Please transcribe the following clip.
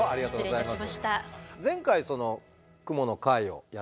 失礼いたしました。